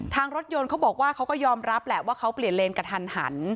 ทางรถยนต์เขาบอกว่าเขาก็ยอมรับแหละว่าเขาเปลี่ยนเลนกระทันหัน